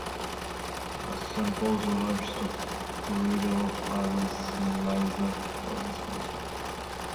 Saint Paul is the largest of the Pribilof Islands and lies the farthest north.